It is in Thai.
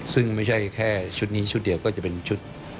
ซึ่งไม่ใช่แค่ชุดนี้ชุดเดียวก็จะเป็นชุด